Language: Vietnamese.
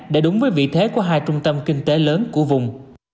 để đúng với vị thế của hai trung tâm kinh tế lớn của vùng